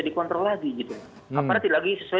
dikontrol lagi aparat tidak lagi sesuai